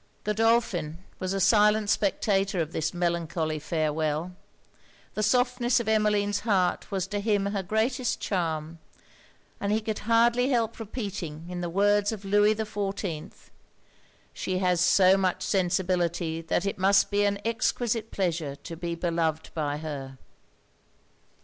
Godolphin was a silent spectator of this melancholy farewel. The softness of Emmeline's heart was to him her greatest charm, and he could hardly help repeating, in the words of Louis XIV 'She has so much sensibility that it must be an exquisite pleasure to be beloved by her!'